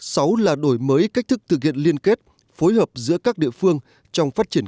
sáu là đổi mới cách thức thực hiện liên kết phối hợp giữa các địa phương trong phát triển